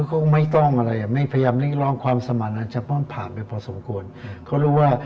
ก็เรียกสมควรเขารู้ว่า